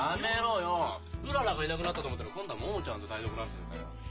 うららがいなくなったと思ったら今度は桃ちゃんと台所争いかよ。